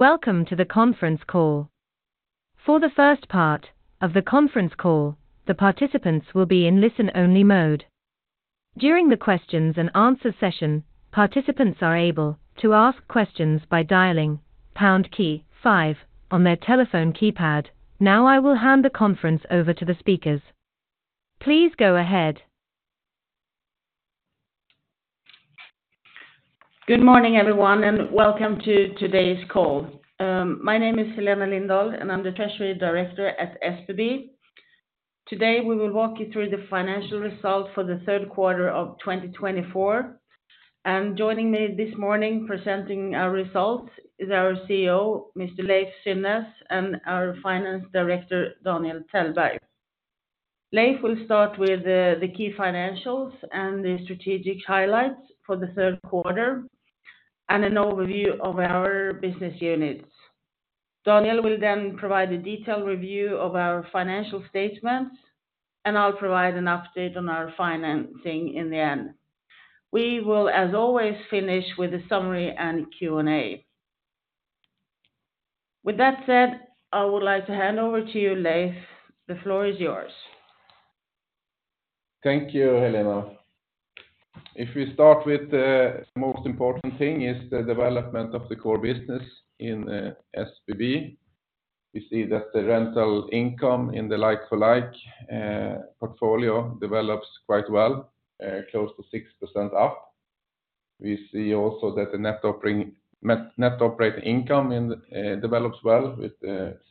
Welcome to the conference call. For the first part of the conference call, the participants will be in listen-only mode. During the questions and answers session, participants are able to ask questions by dialing #5 on their telephone keypad. Now I will hand the conference over to the speakers. Please go ahead. Good morning, everyone, and welcome to today's call. My name is Helena Lindahl, and I'm the Treasury Director at SBB. Today we will walk you through the financial results for the Q3 of 2024. Joining me this morning presenting our results is our CEO, Mr. Leiv Synnes, and our Finance Director, Daniel Tellberg. Leiv will start with the key financials and the strategic highlights for the Q3 and an overview of our business units. Daniel will then provide a detailed review of our financial statements, and I'll provide an update on our financing in the end. We will, as always, finish with a summary and Q&A. With that said, I would like to hand over to you, Leiv. The floor is yours. Thank you, Helena. If we start with the most important thing, it's the development of the core business in SBB. We see that the rental income in the like-for-like portfolio develops quite well, close to 6% up. We see also that the net operating income develops well with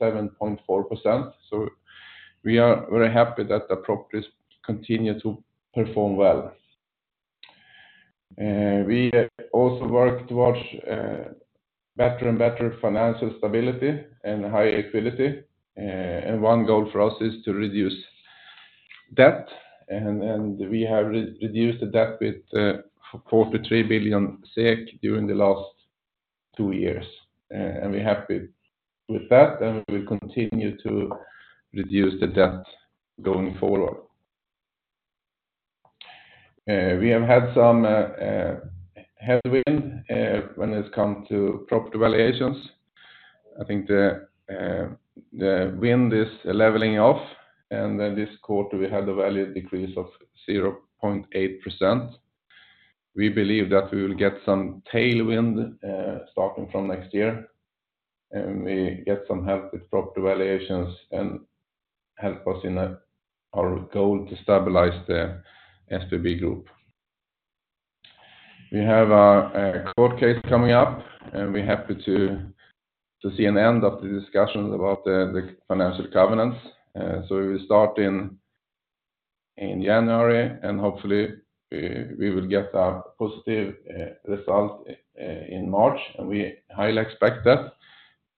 7.4%. So we are very happy that the properties continue to perform well. We also work towards better and better financial stability and higher equity, and one goal for us is to reduce debt, and we have reduced the debt with 43 billion SEK during the last two years. We're happy with that, and we will continue to reduce the debt going forward. We have had some headwinds when it comes to property valuations. I think the wind is leveling off, and this quarter we had a value decrease of 0.8%. We believe that we will get some tailwind starting from next year, and we get some help with property valuations and help us in our goal to stabilize the SBB group. We have a court case coming up, and we're happy to see an end of the discussions about the financial covenants. So we will start in January, and hopefully we will get a positive result in March, and we highly expect that.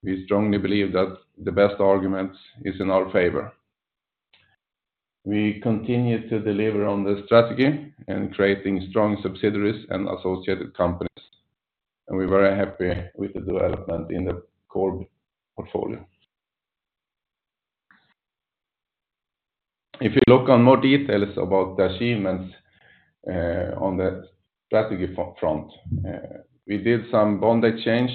We strongly believe that the best argument is in our favor. We continue to deliver on the strategy and creating strong subsidiaries and associated companies. And we're very happy with the development in the core portfolio. If you look on more details about the achievements on the strategy front, we did some bond exchange,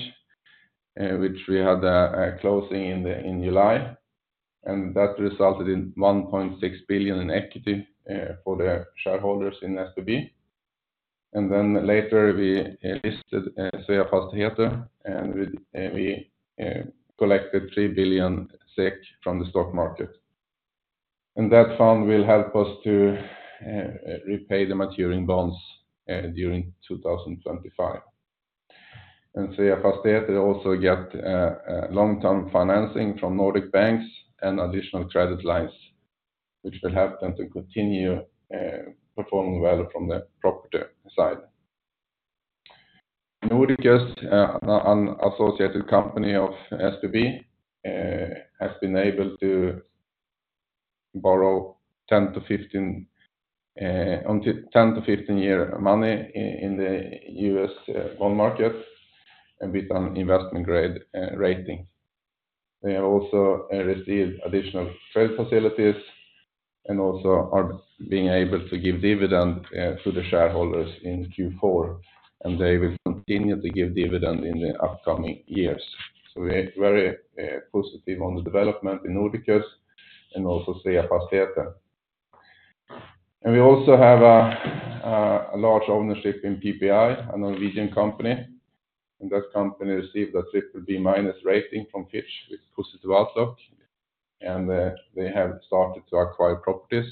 which we had a closing in July, and that resulted in 1.6 billion in equity for the shareholders in SBB. And then later we listed Svea Fastigheter, and we collected three billion SEK from the stock market. And that fund will help us to repay the maturing bonds during 2025. And Svea Fastigheter also gets long-term financing from Nordic banks and additional credit lines, which will help them to continue performing well from the property side. Nordiqus, an associated company of SBB, has been able to borrow 10-15-year money in the U.S. bond market and with an investment-grade rating. They have also received additional trade facilities and also are being able to give dividends to the shareholders in Q4, and they will continue to give dividends in the upcoming years. So we're very positive on the development in Nordiqus and also Svea Fastigheter. And we also have a large ownership in PPI, a Norwegian company. That company received a triple B minus rating from Fitch with a positive outlook, and they have started to acquire properties.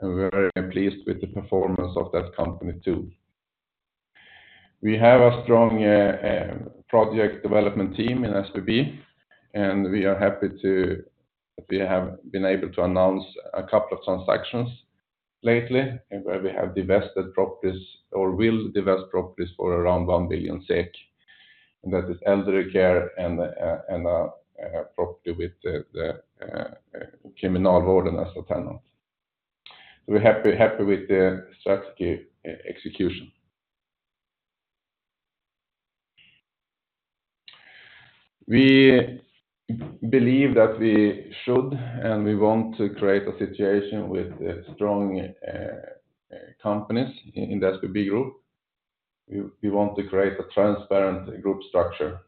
We're very pleased with the performance of that company too. We have a strong project development team in SBB, and we are happy that we have been able to announce a couple of transactions lately where we have divested properties or will divest properties for around SEK 1 billion. That is Elderly Care and a property with the Kriminalvården as the tenant. We're happy with the strategy execution. We believe that we should and we want to create a situation with strong companies in the SBB group. We want to create a transparent group structure,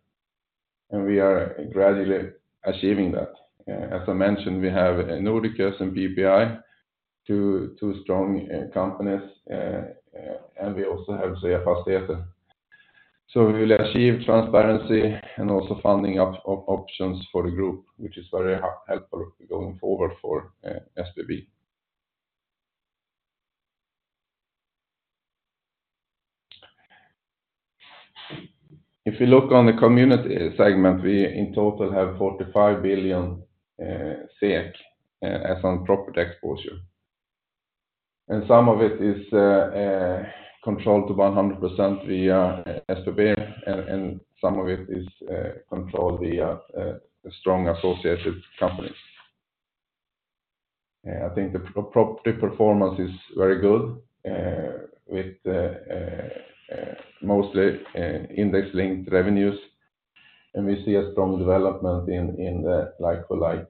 and we are gradually achieving that. As I mentioned, we have Nordiqus and PPI, two strong companies, and we also have Svea Fastigheter. We will achieve transparency and also funding options for the group, which is very helpful going forward for SBB. If you look on the community segment, we in total have 45 billion SEK as on property exposure. Some of it is controlled to 100% via SBB, and some of it is controlled via strong associated companies. I think the property performance is very good with mostly index-linked revenues, and we see a strong development in the like-for-like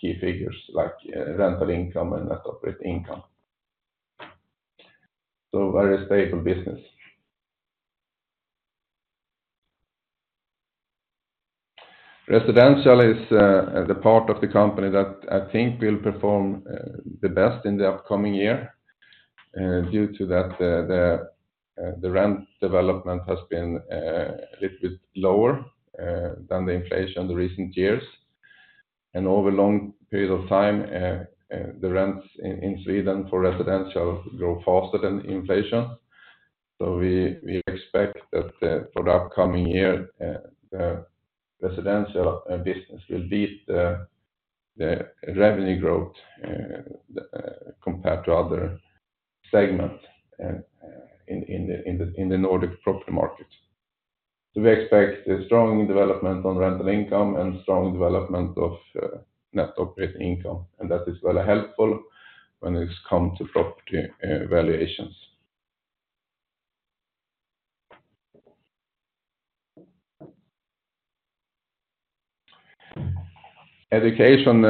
key figures like rental income and net operating income. Very stable business. Residential is the part of the company that I think will perform the best in the upcoming year due to that the rent development has been a little bit lower than the inflation in the recent years. Over a long period of time, the rents in Sweden for residential grow faster than inflation. So we expect that for the upcoming year, the residential business will beat the revenue growth compared to other segments in the Nordic property market. So we expect strong development on rental income and strong development of net operating income. And that is very helpful when it comes to property valuations. Education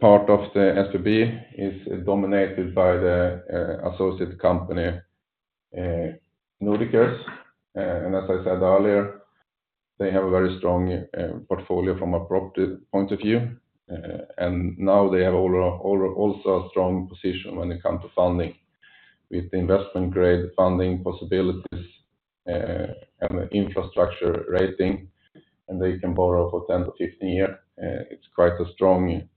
part of the SBB is dominated by the associate company Nordiqus. And as I said earlier, they have a very strong portfolio from a property point of view. And now they have also a strong position when it comes to funding with investment-grade funding possibilities and the infrastructure rating. And they can borrow for 10 to 15 years. It's quite a strong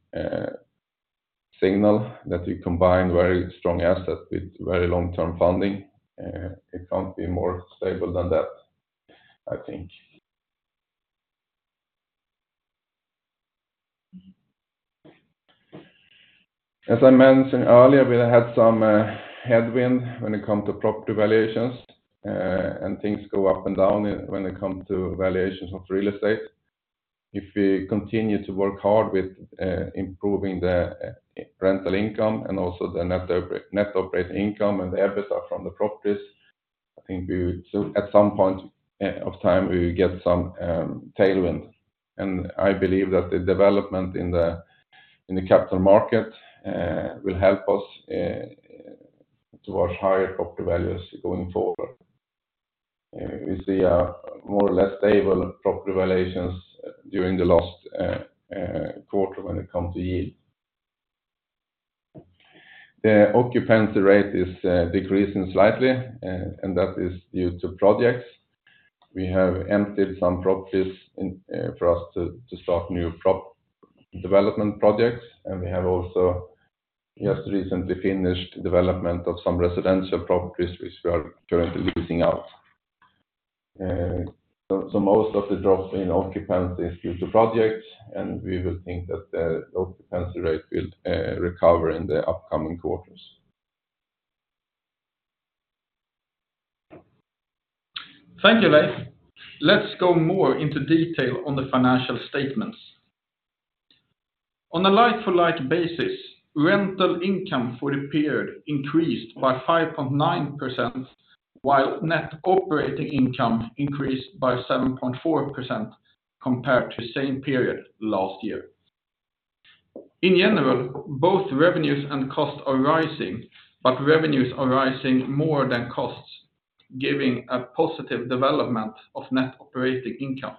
signal that we combined very strong assets with very long-term funding. It can't be more stable than that, I think. As I mentioned earlier, we had some headwinds when it comes to property valuations, and things go up and down when it comes to valuations of real estate. If we continue to work hard with improving the rental income and also the net operating income and the EBITDA from the properties, I think at some point of time we will get some tailwind, and I believe that the development in the capital market will help us towards higher property values going forward. We see more or less stable property valuations during the last quarter when it comes to yield. The occupancy rate is decreasing slightly, and that is due to projects. We have emptied some properties for us to start new development projects, and we have also just recently finished development of some residential properties, which we are currently leasing out. So most of the drop in occupancy is due to projects, and we will think that the occupancy rate will recover in the upcoming quarters. Thank you, Leiv. Let's go more into detail on the financial statements. On a like-for-like basis, rental income for the period increased by 5.9%, while net operating income increased by 7.4% compared to the same period last year. In general, both revenues and costs are rising, but revenues are rising more than costs, giving a positive development of net operating income.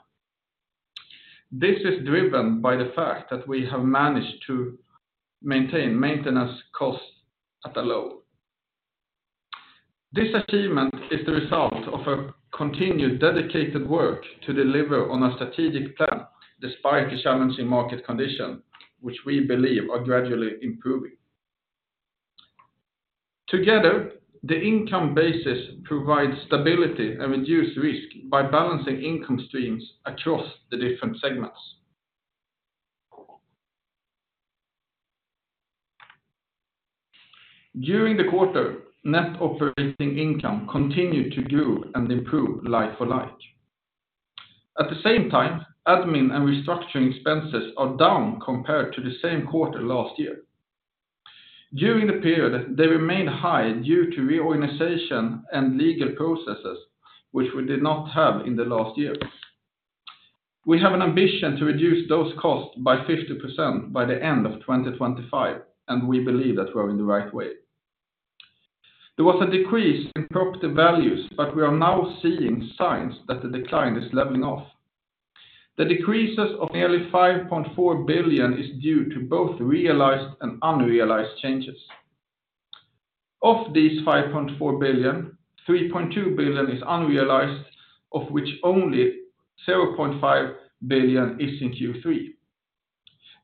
This is driven by the fact that we have managed to maintain maintenance costs at a low. This achievement is the result of a continued dedicated work to deliver on a strategic plan despite the challenging market conditions, which we believe are gradually improving. Together, the income basis provides stability and reduced risk by balancing income streams across the different segments. During the quarter, net operating income continued to grow and improve like-for-like. At the same time, admin and restructuring expenses are down compared to the same quarter last year. During the period, they remained high due to reorganization and legal processes, which we did not have in the last year. We have an ambition to reduce those costs by 50% by the end of 2025, and we believe that we are in the right way. There was a decrease in property values, but we are now seeing signs that the decline is leveling off. The decreases of nearly 5.4 billion is due to both realized and unrealized changes. Of these 5.4 billion, 3.2 billion is unrealized, of which only 0.5 billion is in Q3.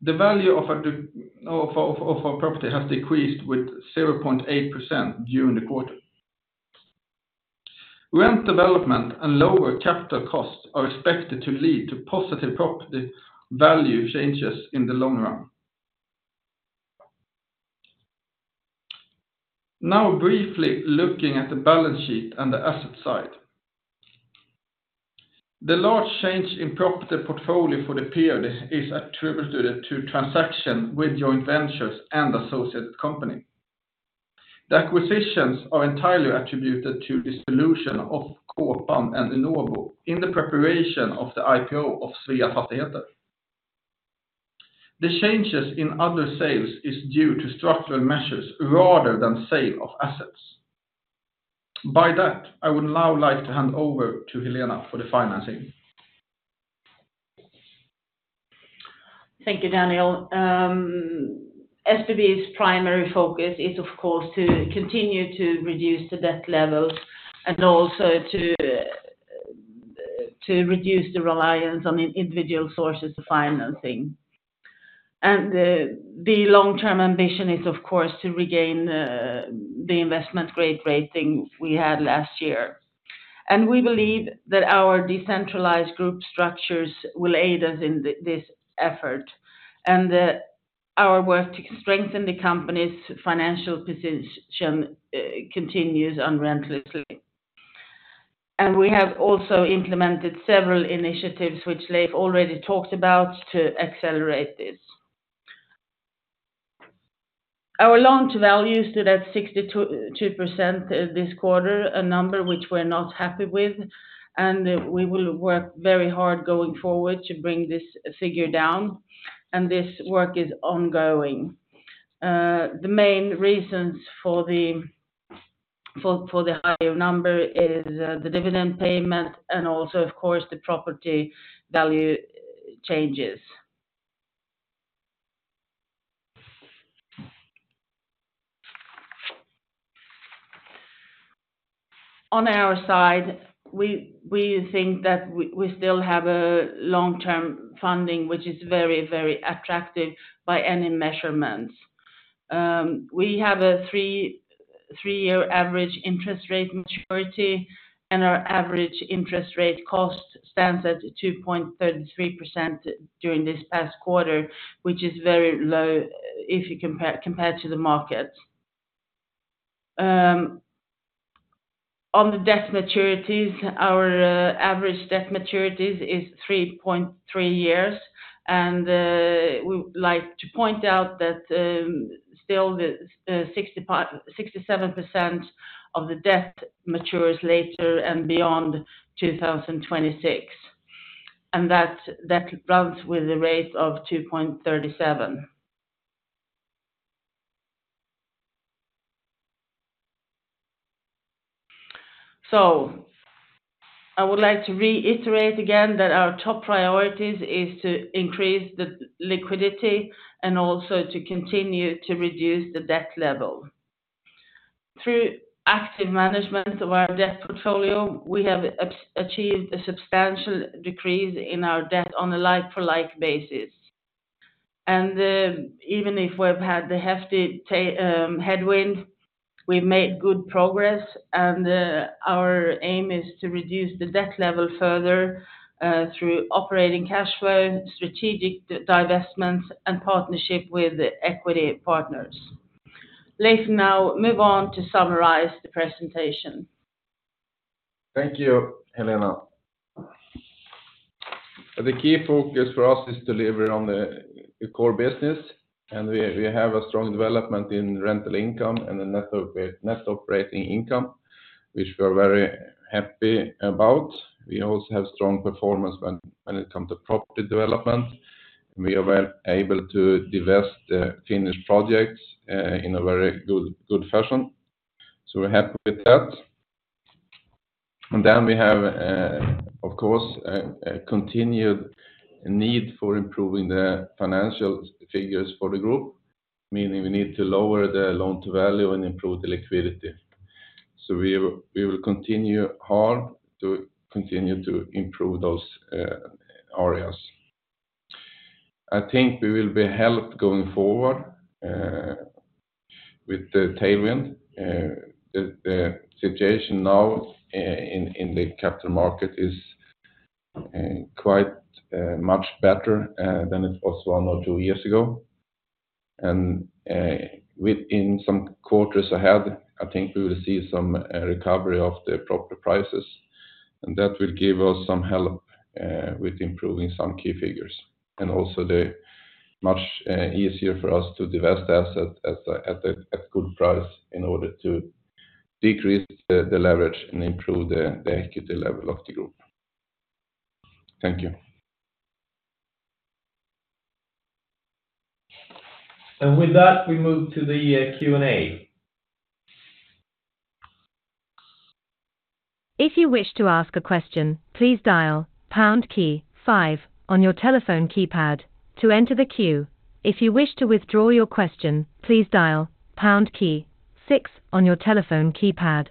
The value of a property has decreased with 0.8% during the quarter. Rent development and lower capital costs are expected to lead to positive property value changes in the long run. Now, briefly looking at the balance sheet and the asset side. The large change in property portfolio for the period is attributed to transactions with joint ventures and associated companies. The acquisitions are entirely attributed to the solution of Kåpan and Unobo in the preparation of the IPO of Svea Fastigheter. The changes in other sales are due to structural measures rather than sale of assets. By that, I would now like to hand over to Helena for the financing. Thank you, Daniel. SBB's primary focus is, of course, to continue to reduce the debt levels and also to reduce the reliance on individual sources of financing, and the long-term ambition is, of course, to regain the investment-grade rating we had last year, and we believe that our decentralized group structures will aid us in this effort, and our work to strengthen the company's financial position continues unrelentingly, and we have also implemented several initiatives, which Leiv already talked about, to accelerate this. Our LTV values stood at 62% this quarter, a number which we're not happy with, and we will work very hard going forward to bring this figure down, and this work is ongoing. The main reasons for the higher number are the dividend payment and also, of course, the property value changes. On our side, we think that we still have long-term funding, which is very, very attractive by any measurements. We have a three-year average interest rate maturity, and our average interest rate cost stands at 2.33% during this past quarter, which is very low if you compare to the market. On the debt maturities, our average debt maturities are 3.3 years, and we would like to point out that still 67% of the debt matures later and beyond 2026, and that runs with a rate of 2.37%, so I would like to reiterate again that our top priorities are to increase the liquidity and also to continue to reduce the debt level. Through active management of our debt portfolio, we have achieved a substantial decrease in our debt on a like-for-like basis, and even if we've had the hefty headwind, we've made good progress. Our aim is to reduce the debt level further through operating cash flow, strategic divestments, and partnership with equity partners. Leiv, now move on to summarize the presentation. Thank you, Helena. The key focus for us is to deliver on the core business, and we have a strong development in rental income and the net operating income, which we are very happy about. We also have strong performance when it comes to property development. We are able to divest the finished projects in a very good fashion, so we're happy with that, and then we have, of course, a continued need for improving the financial figures for the group, meaning we need to lower the loan-to-value and improve the liquidity, so we will continue hard to continue to improve those areas. I think we will be helped going forward with the tailwind. The situation now in the capital market is quite much better than it was one or two years ago, and within some quarters ahead, I think we will see some recovery of the property prices. And that will give us some help with improving some key figures. And also much easier for us to divest assets at a good price in order to decrease the leverage and improve the equity level of the group. Thank you. And with that, we move to the Q&A. If you wish to ask a question, please dial #5 on your telephone keypad to enter the queue. If you wish to withdraw your question, please dial #6 on your telephone keypad.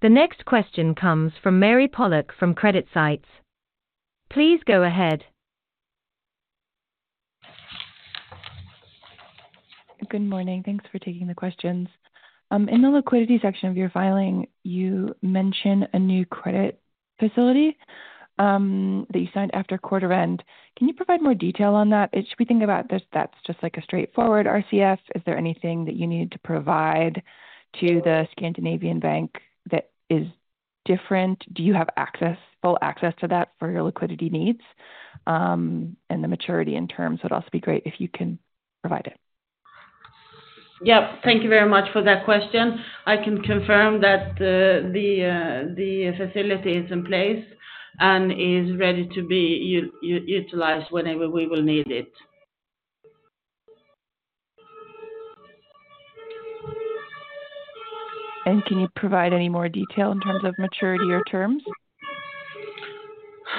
The next question comes from Mary Pollock from CreditSights. Please go ahead. Good morning. Thanks for taking the questions. In the liquidity section of your filing, you mention a new credit facility that you signed after quarter end. Can you provide more detail on that? Should we think about that's just like a straightforward RCF? Is there anything that you need to provide to the Scandinavian Bank that is different? Do you have full access to that for your liquidity needs and the maturity in terms? It would also be great if you can provide it. Yep. Thank you very much for that question. I can confirm that the facility is in place and is ready to be utilized whenever we will need it. And can you provide any more detail in terms of maturity or terms?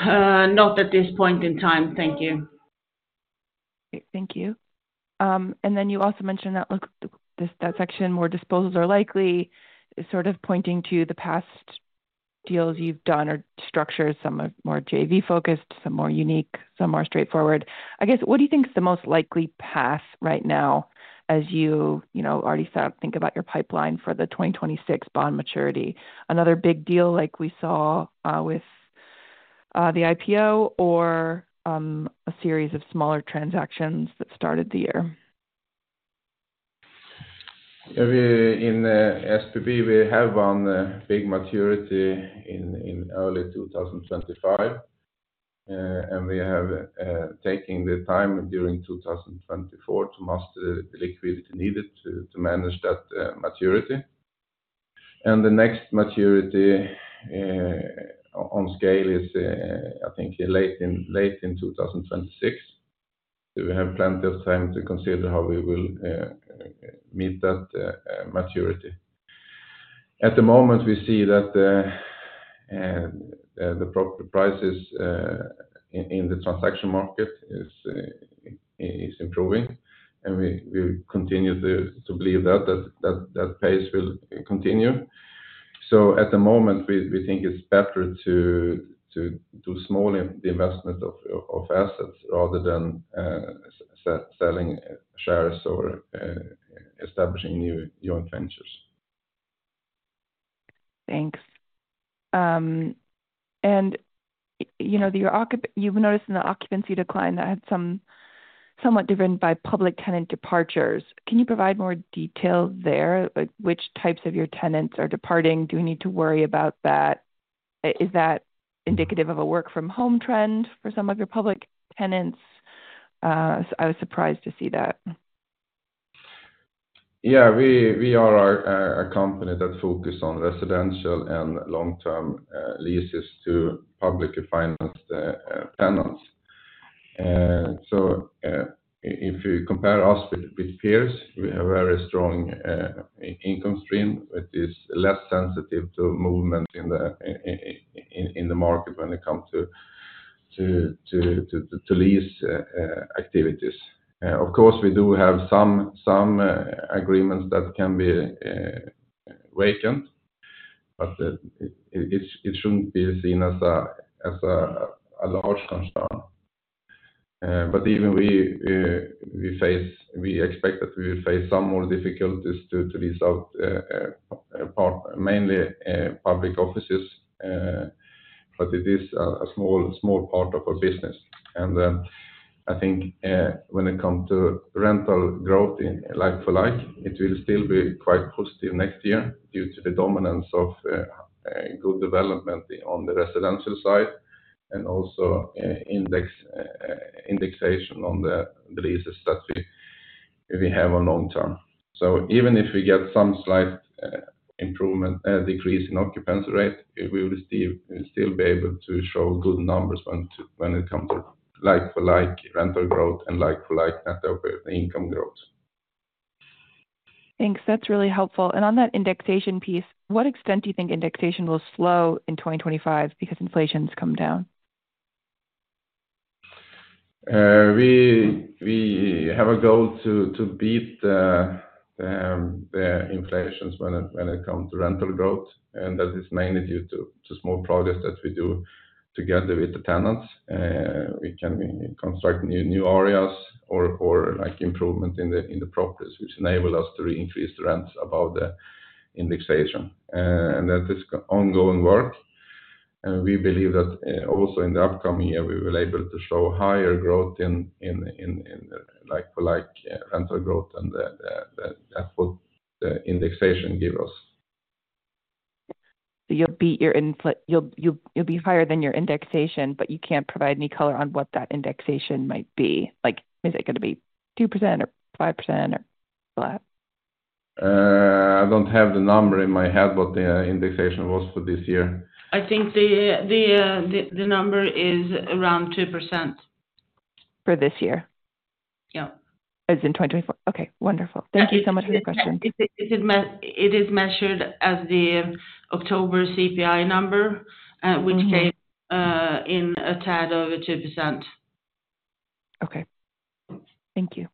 Not at this point in time. Thank you. Thank you. And then you also mentioned that section where disposals are likely is sort of pointing to the past deals you've done or structures, some are more JV-focused, some more unique, some more straightforward. I guess, what do you think is the most likely path right now as you already think about your pipeline for the 2026 bond maturity? Another big deal like we saw with the IPO or a series of smaller transactions that started the year? In SBB, we have one big maturity in early 2025. And we are taking the time during 2024 to master the liquidity needed to manage that maturity. And the next maturity on scale is, I think, late in 2026. So we have plenty of time to consider how we will meet that maturity. At the moment, we see that the property prices in the transaction market are improving. And we continue to believe that that pace will continue. So at the moment, we think it's better to do small investments of assets rather than selling shares or establishing new joint ventures. Thanks. And you've noticed in the occupancy decline that had somewhat driven by public tenant departures. Can you provide more detail there? Which types of your tenants are departing? Do we need to worry about that? Is that indicative of a work-from-home trend for some of your public tenants? I was surprised to see that. Yeah. We are a company that focuses on residential and long-term leases to publicly financed tenants. So if you compare us with peers, we have a very strong income stream that is less sensitive to movement in the market when it comes to lease activities. Of course, we do have some agreements that can be vacant, but it shouldn't be seen as a large concern. But even we expect that we will face some more difficulties to lease out mainly public offices. But it is a small part of our business. And I think when it comes to rental growth in like-for-like, it will still be quite positive next year due to the dominance of good development on the residential side and also indexation on the leases that we have on long term. So even if we get some slight decrease in occupancy rate, we will still be able to show good numbers when it comes to like-for-like rental growth and like-for-like net income growth. Thanks. That's really helpful. And on that indexation piece, to what extent do you think indexation will slow in 2025 because inflation's come down? We have a goal to beat the inflations when it comes to rental growth. And that is mainly due to small projects that we do together with the tenants. We can construct new areas or improvements in the properties, which enable us to increase the rents above the indexation. And that is ongoing work. And we believe that also in the upcoming year, we will be able to show higher growth in like-for-like rental growth. And that's what the indexation gives us. So you'll be higher than your indexation, but you can't provide any color on what that indexation might be? Is it going to be 2% or 5% or what? I don't have the number in my head, what the indexation was for this year. I think the number is around 2%. For this year? Yeah. As in 2024? Okay. Wonderful. Thank you so much for your question. It is measured as the October CPI number, which came in a tad over 2%. Okay. Thank you.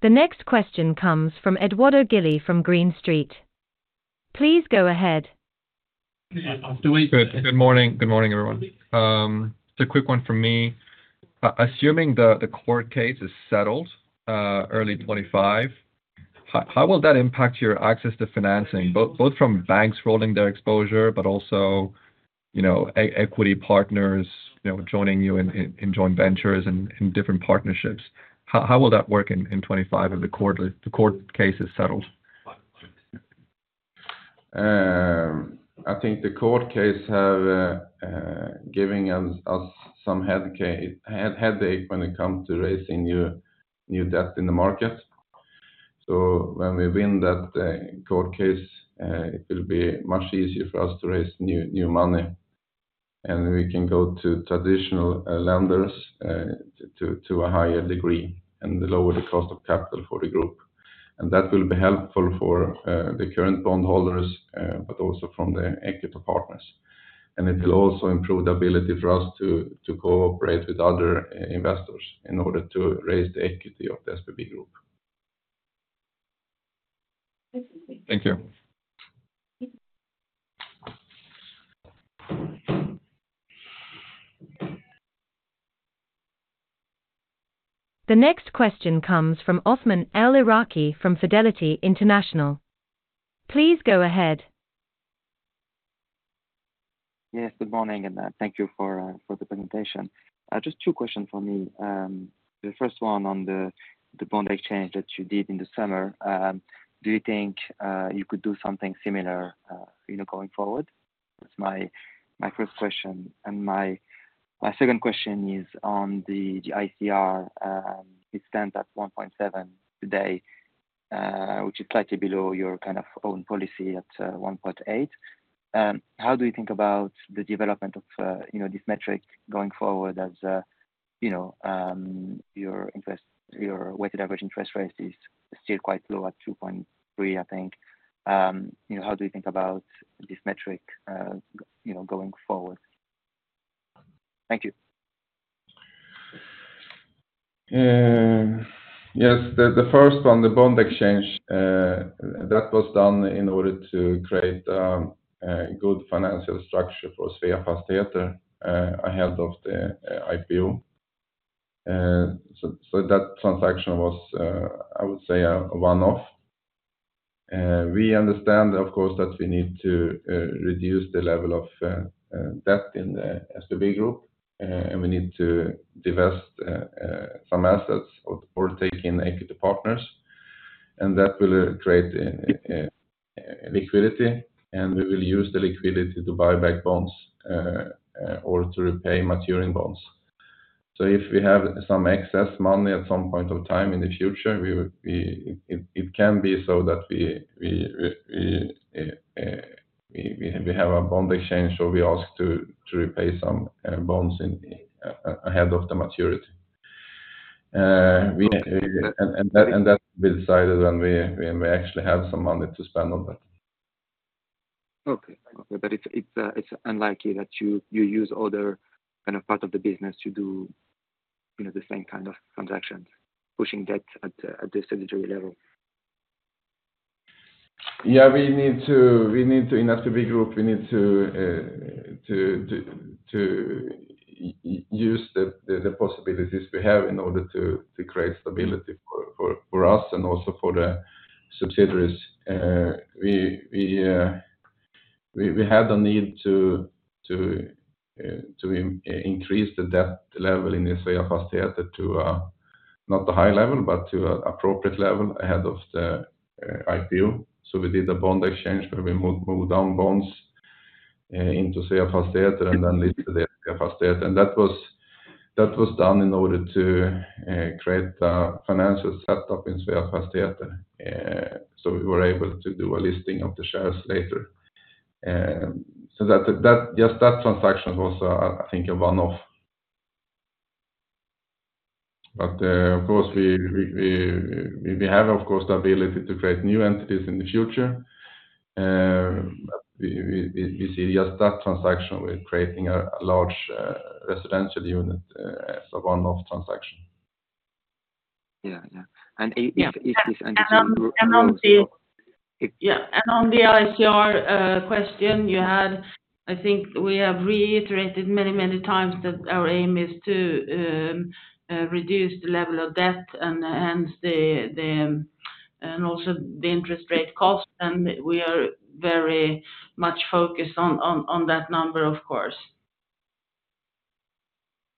The next question comes from Edoardo Gili from Green Street. Please go ahead. Good morning. Good morning, everyone. It's a quick one from me. Assuming the court case is settled early 2025, how will that impact your access to financing, both from banks rolling their exposure, but also equity partners joining you in joint ventures and different partnerships? How will that work in 2025 if the court case is settled? I think the court case has given us some headache when it comes to raising new debt in the market. So when we win that court case, it will be much easier for us to raise new money. And we can go to traditional lenders to a higher degree and lower the cost of capital for the group. And that will be helpful for the current bondholders, but also from the equity partners. And it will also improve the ability for us to cooperate with other investors in order to raise the equity of the SBB Group. Thank you. The next question comes from Othman El Iraki from Fidelity International. Please go ahead. Yes. Good morning. And thank you for the presentation. Just two questions for me. The first one on the bond exchange that you did in the summer, do you think you could do something similar going forward? That's my first question. And my second question is on the ICR, which stands at 1.7 today, which is slightly below your kind of own policy at 1.8. How do you think about the development of this metric going forward as your weighted average interest rate is still quite low at 2.3, I think? How do you think about this metric going forward? Thank you. Yes. The first one, the bond exchange, that was done in order to create a good financial structure for Svea Fastigheter ahead of the IPO. So that transaction was, I would say, a one-off. We understand, of course, that we need to reduce the level of debt in the SBB Group. And we need to divest some assets or take in equity partners. And that will create liquidity. And we will use the liquidity to buy back bonds or to repay maturing bonds. So if we have some excess money at some point of time in the future, it can be so that we have a bond exchange where we ask to repay some bonds ahead of the maturity. And that will be decided when we actually have some money to spend on that. Okay, but it's unlikely that you use other kind of part of the business to do the same kind of transactions, pushing debt at the subsidiary level. Yeah. We need to, in SBB Group, we need to use the possibilities we have in order to create stability for us and also for the subsidiaries. We had a need to increase the debt level in Svea Fastigheter to not a high level, but to an appropriate level ahead of the IPO. So we did a bond exchange where we moved down bonds into Svea Fastigheter and then listed it at Svea Fastigheter. And that was done in order to create a financial setup in Svea Fastigheter. So we were able to do a listing of the shares later. So just that transaction was, I think, a one-off. But of course, we have, of course, the ability to create new entities in the future. We see just that transaction with creating a large residential unit as a one-off transaction. Yeah. Yeah. And if. Yeah. And on the ICR question you had, I think we have reiterated many, many times that our aim is to reduce the level of debt and also the interest rate cost. And we are very much focused on that number, of course.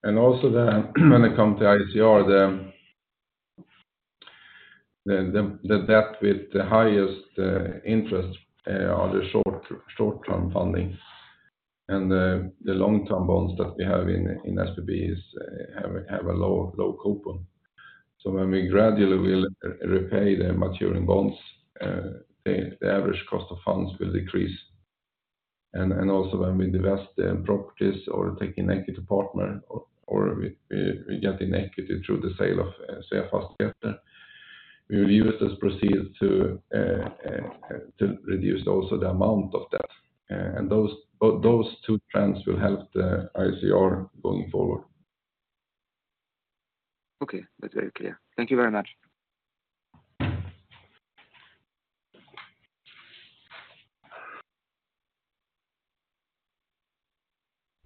And also when it comes to ICR, the debt with the highest interest are the short-term funding. And the long-term bonds that we have in SBB have a low coupon. So when we gradually will repay the maturing bonds, the average cost of funds will decrease. And also when we divest the properties or take in equity partner or we get in equity through the sale of Svea Fastigheter, we will use this proceeds to reduce also the amount of debt. And those two trends will help the ICR going forward. Okay. That's very clear. Thank you very much.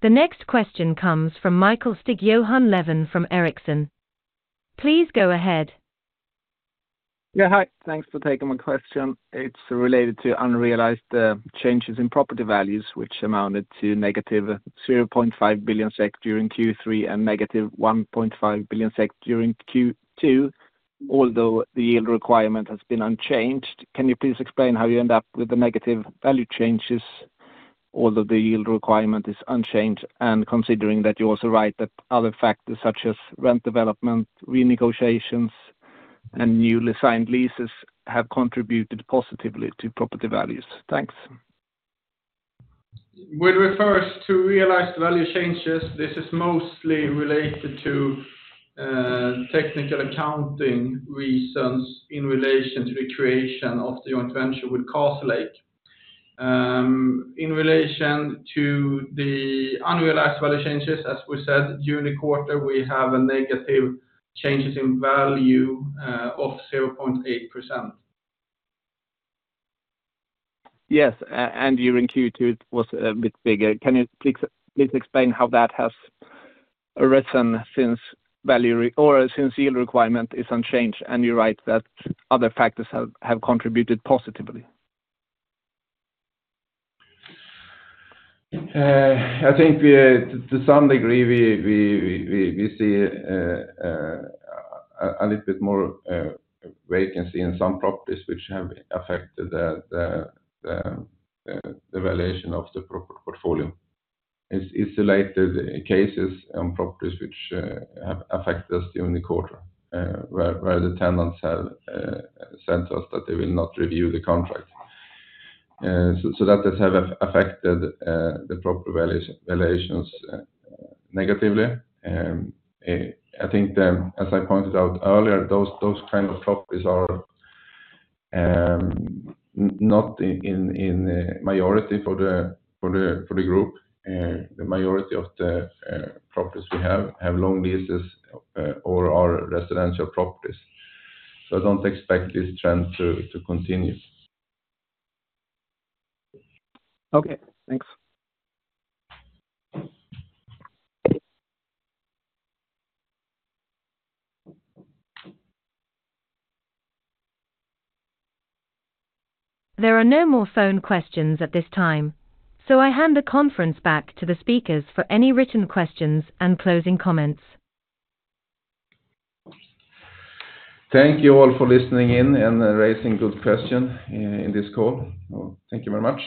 The next question comes from Mikael Stig Johan Levin from Ericsson. Please go ahead. Yeah. Hi. Thanks for taking my question. It's related to unrealized changes in property values, which amounted to negative 0.5 billion SEK during Q3 and negative 1.5 billion SEK during Q2, although the yield requirement has been unchanged. Can you please explain how you end up with the negative value changes, although the yield requirement is unchanged? And considering that you also write that other factors such as rent development, renegotiations, and newly signed leases have contributed positively to property values. Thanks. When referred to realized value changes, this is mostly related to technical accounting reasons in relation to the creation of the joint venture with Castlelake. In relation to the unrealized value changes, as we said, during the quarter, we have negative changes in value of 0.8%. Yes. And during Q2, it was a bit bigger. Can you please explain how that has arisen or since yield requirement is unchanged? And you write that other factors have contributed positively. I think to some degree, we see a little bit more vacancy in some properties, which have affected the valuation of the portfolio. It's related cases and properties which have affected us during the quarter, where the tenants have said to us that they will not review the contract. So that has affected the property valuations negatively. I think, as I pointed out earlier, those kind of properties are not in the majority for the group. The majority of the properties we have, have long leases or are residential properties. So I don't expect this trend to continue. Okay. Thanks. There are no more phone questions at this time, so I hand the conference back to the speakers for any written questions and closing comments. Thank you all for listening in and raising good questions in this call. Thank you very much.